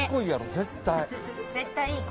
絶対いい子。